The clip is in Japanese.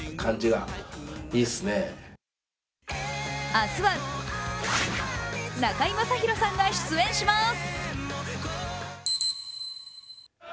明日は中居正広さんが出演します。